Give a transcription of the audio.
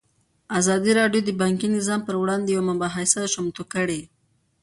ازادي راډیو د بانکي نظام پر وړاندې یوه مباحثه چمتو کړې.